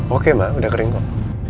oke mbak udah kering kok